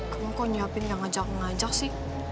kamu kok nyiapin yang ngajak ngajak sih